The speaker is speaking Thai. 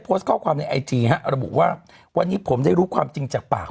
ผมเป็นแฟนรายการข่าวใส่ใครมากเลยนะครับ